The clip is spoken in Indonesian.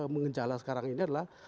mengejalan sekarang ini adalah